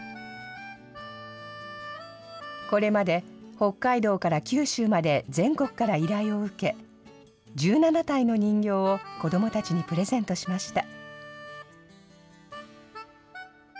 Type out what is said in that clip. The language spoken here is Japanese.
これまで北海道から九州まで全国から依頼を受け、１７体の人形を子どもたちにプレゼントしました。